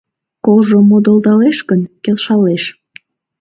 Колжо модылдалеш гын, келшалеш.